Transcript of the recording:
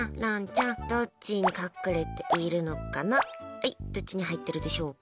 はい、どっちに入っているでしょうか？